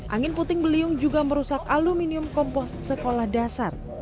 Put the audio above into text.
angin puting beliung juga merusak aluminium kompos sekolah dasar